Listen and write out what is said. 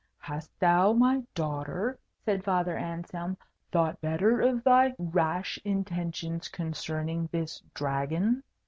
"Hast thou, my daughter," said Father Anselm, "thought better of thy rash intentions concerning this Dragon?"